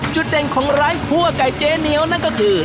จุดเด่นของร้านคั่วไก่เจ๊เหนียวนั่นก็คือ